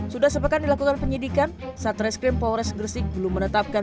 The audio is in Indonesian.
sudah sepekan dilakukan penyidikan satreskrim polres gresik belum menetapkan